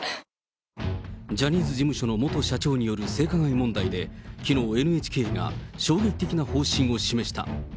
ジャニーズ事務所の元社長による性加害問題で、きのう、ＮＨＫが衝撃的な方針を示した。